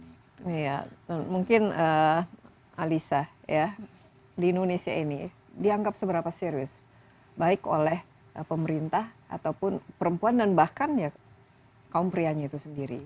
iya mungkin alisa ya di indonesia ini dianggap seberapa serius baik oleh pemerintah ataupun perempuan dan bahkan ya kaum prianya itu sendiri